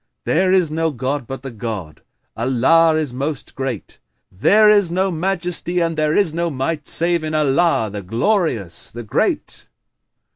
There is no god but the God! Allah is Most Great! There is no Majesty and there is no Might save in Allah, the Glorious, the Great!"